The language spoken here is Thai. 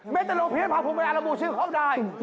แม้แต่โลเพียร์ภาพภูมิอารบูชื่อเขาได้